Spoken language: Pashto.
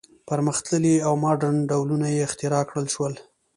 پرمختللي او ماډرن ډولونه یې اختراع کړل شول.